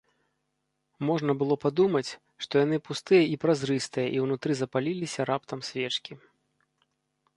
Можна было падумаць, што яны пустыя і празрыстыя і ўнутры запаліліся раптам свечкі.